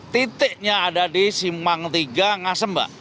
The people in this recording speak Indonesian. titiknya ada di simpang tiga ngasem mbak